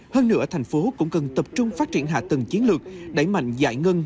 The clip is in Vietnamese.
hơn nữa thành phố cũng cần tập trung phát triển hạ tầng chiến lược đẩy mạnh giải ngân